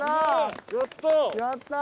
やったあ！